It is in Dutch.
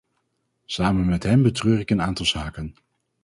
Samen met hen betreur ik een aantal zaken.